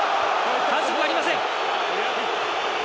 反則はありません。